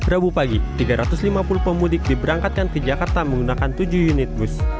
rabu pagi tiga ratus lima puluh pemudik diberangkatkan ke jakarta menggunakan tujuh unit bus